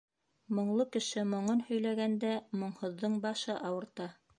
Моңло кеше моңон һөйләгәндә, моңһоҙҙоң башы ауырта.